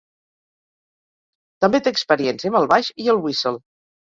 També té experiència amb el baix i el whistle.